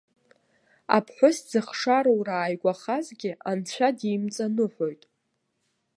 Аԥҳәыс зыхшароура ааигәахазгьы, анцәа димҵаныҳәоит.